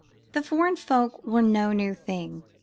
The "foreign folk" were no new thing.